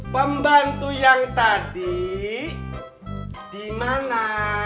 pembantu yang tadi di mana